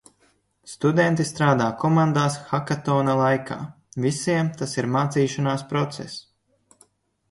Studenti strādā komandās hakatona laikā. Visiem tas ir mācīšanās process.